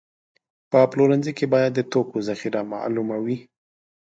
په پلورنځي کې باید د توکو ذخیره معلومه وي.